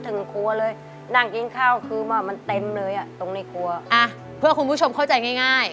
ถึงครัวเลยนั่งกินข้าวคือว่ามันเต็มเลยอ่ะตรงในครัวอ่ะเพื่อคุณผู้ชมเข้าใจง่ายง่าย